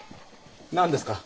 何ですか？